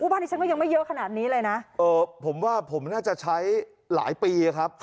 บ้านนี้ฉันก็ยังไม่เยอะขนาดนี้เลยนะผมว่าผมน่าจะใช้หลายปีครับ